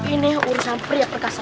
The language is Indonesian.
ini urusan pria perkasa